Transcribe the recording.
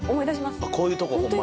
こういうとこホンマに？